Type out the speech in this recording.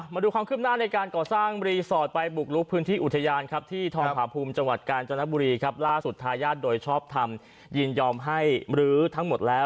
มาดูความคืบหน้าในการก่อสร้างรีสอร์ทไปบุกลุกพื้นที่อุทยานครับที่ทองผาภูมิจังหวัดกาญจนบุรีครับล่าสุดทายาทโดยชอบทำยินยอมให้มรื้อทั้งหมดแล้ว